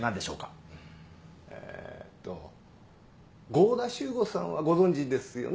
合田修吾さんはご存じですよね。